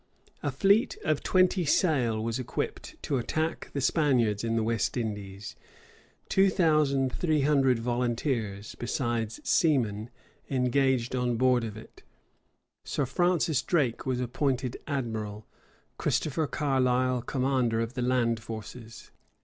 A fleet of twenty sail was equipped to attack the Spaniards in the West Indies: two thousand three hundred volunteers, besides seamen, engaged on board of it; Sir Francis Drake was appointed admiral; Christopher Carlisle, commander of the land forces.